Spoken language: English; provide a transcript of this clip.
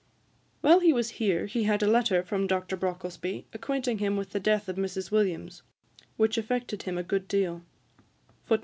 While he was here he had a letter from Dr. Brocklesby, acquainting him of the death of Mrs. Williams, which affected him a good deal.